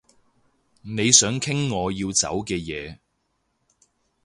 你想傾我要走嘅嘢